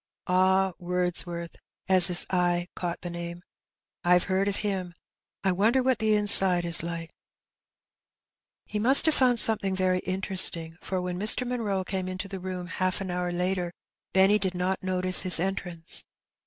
Ah, Wordsworth !" as his eye caught the name. '^Vve heard of him. I wonder what the inside is like ?" He mast have found flomething very interesting, for when Mr. Mnnroe came into the room half an hour later, Benny did not notice his entrance.